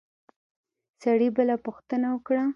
سړي بله پوښتنه وکړه.